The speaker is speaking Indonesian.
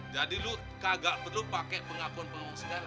jadi lu kagak perlu pakai pengakuan pengakuan segala